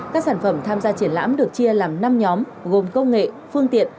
các sản phẩm tham gia triển lãm được chia làm năm nhóm gồm công nghệ phương tiện